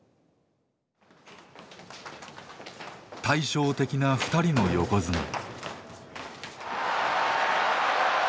対照的な２人の横綱。